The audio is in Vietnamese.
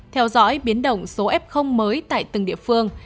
theo dõi biến động số f mới tại từng địa phương